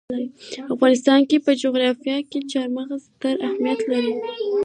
د افغانستان په جغرافیه کې چار مغز ستر اهمیت لري.